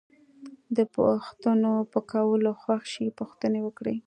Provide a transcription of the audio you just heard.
د پوښتنو په کولو خوښ شئ پوښتنې وکړئ.